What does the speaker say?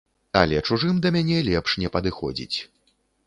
Але чужым да мяне лепш не падыходзіць.